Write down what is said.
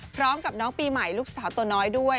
พร้อมกับน้องปีใหม่ลูกสาวตัวน้อยด้วย